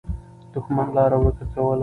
دښمن لاره ورکه کوله.